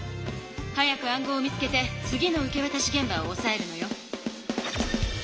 早く暗号を見つけて次の受けわたしげん場をおさえるのよ。